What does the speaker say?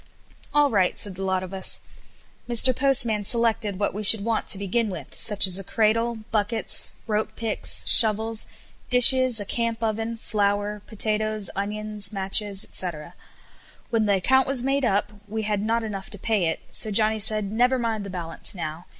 "All right," said the lot of us. Mr. Postman selected what we should want to begin with, such as a cradle, buckets, rope picks, shovels, dishes, a camp oven, flour, potatoes, onions, matches, &c. When the account was made up we had not enough to pay it; so Johnny said, "Never mind the balance now.